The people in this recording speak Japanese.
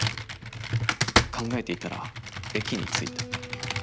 考えていたら駅についた。